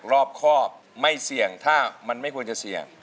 รอบครอบไม่เสี่ยงถ้ามันไม่ควรจะเสี่ยง